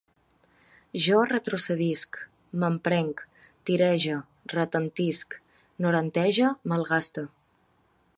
Jo retrocedisc, mamprenc, tirege, retentisc, norantege, malgaste